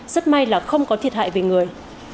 rất may là không có thiệt hại về người